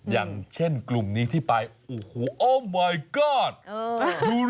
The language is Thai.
อย่างเช่นกลุ่มนี้ที่ไปโอ้โหมายก๊อดฮิลล์